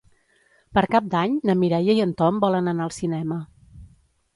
Per Cap d'Any na Mireia i en Tom volen anar al cinema.